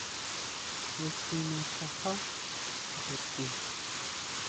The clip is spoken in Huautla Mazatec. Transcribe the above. Je kjima tajá nyutin.